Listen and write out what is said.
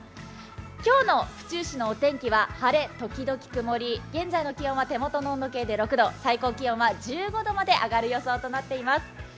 今日の府中市のお天気は晴れ時々曇り現在の気温は手元の温度計で６度、最高気温は１５度まで上がる予想となっています。